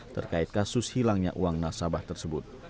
terkait kasus hilangnya uang nasabah tersebut